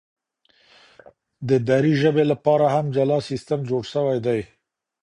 د دري ژبي لپاره هم جلا سیستم جوړ سوی دی.